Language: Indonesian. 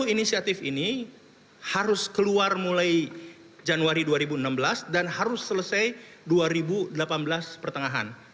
satu inisiatif ini harus keluar mulai januari dua ribu enam belas dan harus selesai dua ribu delapan belas pertengahan